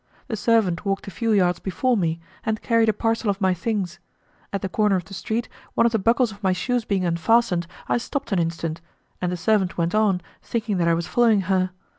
The servant walked a few yards before me, and carried a parcel of my things. At the corner of the street, one of the buckles of my shoes being unfastened, I stopped an instant, and the servant went on, thinking that I was following her.